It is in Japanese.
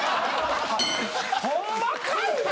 ホンマかいな！